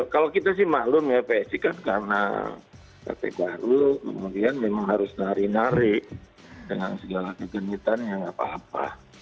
kalau kita sih maklum ya psi kan karena pt baru kemudian memang harus nari nari dengan segala kegenitan ya nggak apa apa